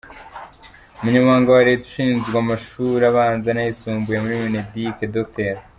Umunyamabanga wa Leta ushinzwe amashuri abanza n’ayisumbuye muri Mineduc, Dr.